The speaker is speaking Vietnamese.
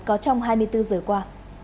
có trong hai mươi bốn giờ qua